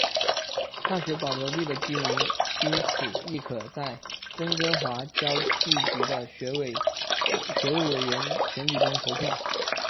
大学保留地的居民因此亦可在温哥华教育局的学务委员选举中投票。